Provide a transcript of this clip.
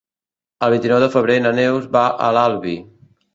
El vint-i-nou de febrer na Neus va a l'Albi.